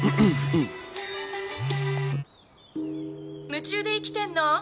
「夢中で生きてんの？」。